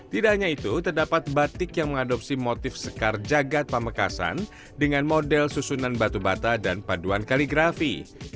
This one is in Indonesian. tidak hanya itu terdapat batik yang mengadopsi motif sekar jagad pamekasan dengan model susunan batu bata dan paduan kaligrafi